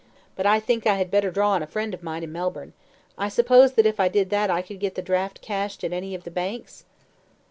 But I think I had better draw on a friend of mine in Melbourne. I suppose that if I did that, I could get the draft cashed at any of the banks?"